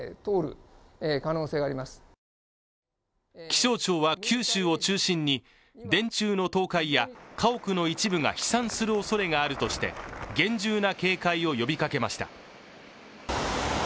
気象庁は九州を中心に、電柱の倒壊や家屋の一部が飛散するおそれがあるとして厳重な警戒を呼びかけました。